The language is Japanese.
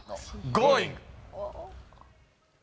Ｇｏｉｎｇ！